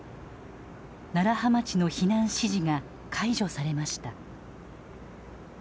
楢葉町の避難指示が解除されました。